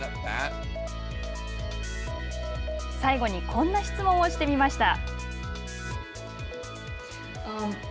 こんな質問をしてみました。